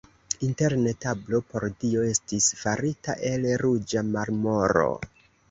Interne tablo por Dio estis farita el ruĝa marmoro.